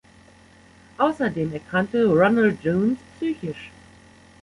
Außerdem erkrankte Ronald Jones psychisch.